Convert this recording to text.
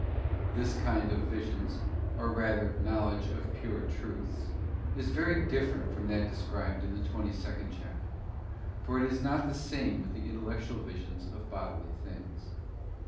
This kind of visions, or rather of knowledge of pure truths, is very different from that described in the twenty second chapter, for it is not the same with the intellectual visions of bodily things.